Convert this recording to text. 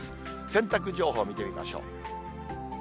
洗濯情報を見てみましょう。